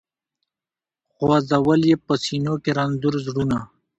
خو ځول یې په سینو کي رنځور زړونه